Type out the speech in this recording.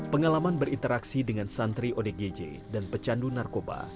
pengalaman berinteraksi dengan santri odgj dan pecandu narkoba